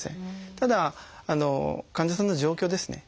ただ患者さんの状況ですね。